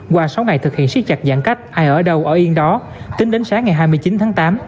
qua sáu ngày thực hiện siết chặt giãn cách ai ở đâu ở yên đó tính đến sáng ngày hai mươi chín tháng tám